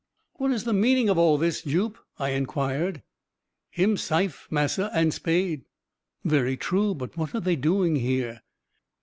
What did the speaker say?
"What is the meaning of all this, Jup?" I inquired. "Him syfe, massa, and spade." "Very true; but what are they doing here?"